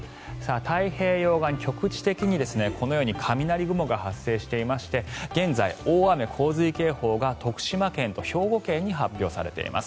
太平洋側に局地的にこのように雷雲が発生していまして現在、大雨・洪水警報が徳島県と兵庫県に発表されています。